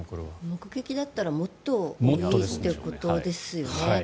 目撃だったらもっと多いということですよね。